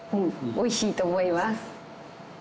おいしいと思います。